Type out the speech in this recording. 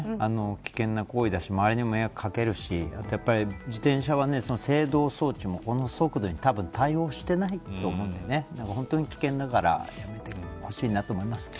危険な行為だし周りにも迷惑かけるしあと自転車は、制動装置もこの速度に対応していないと思うんで本当に危険だからやめてほしいなと思います。